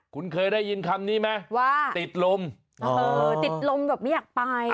คุณเคยได้ยินคำนี้ไหมว่าติดลมติดลมแบบไม่อยากไป